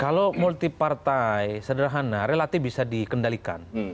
kalau multi partai sederhana relatif bisa dikendalikan